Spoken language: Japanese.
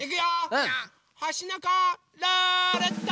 うん！ほしのこルーレット！